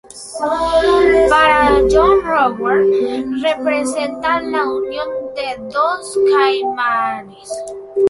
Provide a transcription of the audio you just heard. Para John Rowe, representa la unión de dos caimanes.